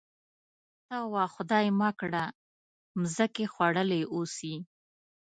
ته وا خدای مه کړه مځکې خوړلي اوسي.